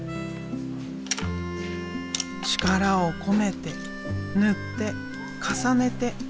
力を込めて塗って重ねて。